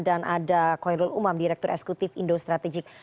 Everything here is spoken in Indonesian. dan ada khairul umam direktur eksekutif indo strategik